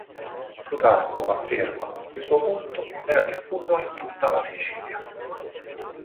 Plutarco afferma che il suo culto era diffuso in tutta la Sicilia.